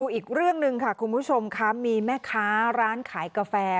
อีกเรื่องหนึ่งค่ะคุณผู้ชมค่ะมีแม่ค้าร้านขายกาแฟ